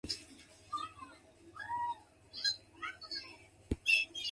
This is not a mocking of the church.